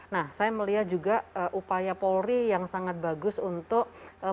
nah saya melihat juga upaya polri yang sangat bagus untuk